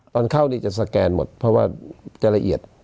ตอนเข้านี่จะสแกนหมดเพราะว่าจะละเอียด